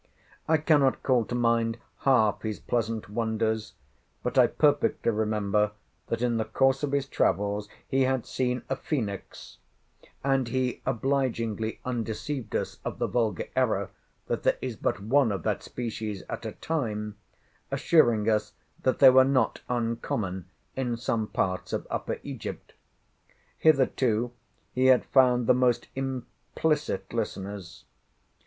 I cannot call to mind half his pleasant wonders; but I perfectly remember, that in the course of his travels he had seen a phoenix; and he obligingly undeceived us of the vulgar error, that there is but one of that species at a time, assuring us that they were not uncommon in some parts of Upper Egypt. Hitherto he had found the most implicit listeners.